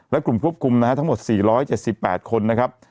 และกลุ่มควบคุมนะฮะทั้งหมด๔๗๘คนนะครับ